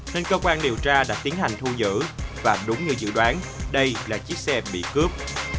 nên cơ quan điều tra đã tiến hành thu giữ và đúng như dự đoán đây là chiếc xe bị cướp